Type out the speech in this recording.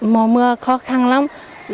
mùa mưa khó khăn lắm